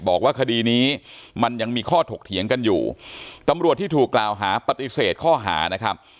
บอกว่าคดีนี้มันยังมีข้อถกเถียงกันอยู่ตำรวจที่ถูกกล่าวหาปฏิเสธข้อหานะครับ